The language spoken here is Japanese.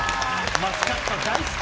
マスカット大好き。